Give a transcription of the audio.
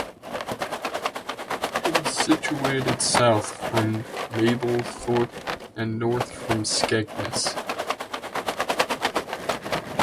It is situated south from Mablethorpe and north from Skegness.